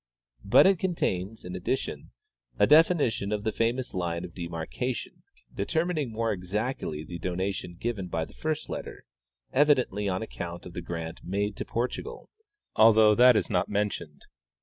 But it contains, in addition, a definition of the famous line of de marcation, determining more exactly the donation given by the first letter, evidently on account of the grant made to Por tugal, although that is not mentioned.